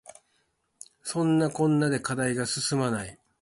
そんなこんなで課題が進まない